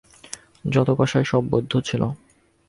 যত কসাই, সব বৌদ্ধ ছিল।